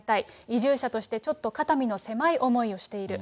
移住者として、ちょっと肩身の狭い思いをしている。